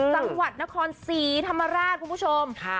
จังหวัดนครศรีธรรมราชคุณผู้ชม